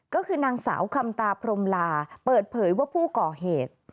ก็คือนางสาวคำตาพรมลาเปิดเผยว่าผู้ก่อเหตุ